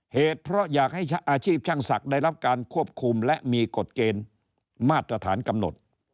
เหตุเพราะอยากให้อาชีพช่างศักดิ์ได้รับการควบคุมและมีกฎเกณฑ์มาตรฐานกำหนด